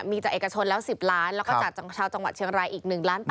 มีจากเอกชนแล้ว๑๐ล้านแล้วก็จากชาวจังหวัดเชียงรายอีก๑ล้าน๘